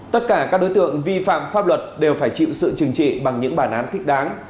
tất cả các đối tượng vi phạm pháp luật đều phải chịu sự trừng trị bằng những bản án thích đáng